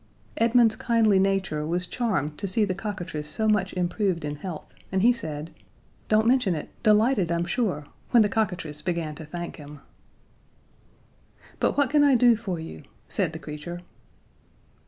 Edmund's kindly nature was charmed to see the cockatrice so much improved in health, and he said: "Don't mention it; delighted, I'm sure," when the cockatrice began to thank him. "But what can I do for you?" said the creature.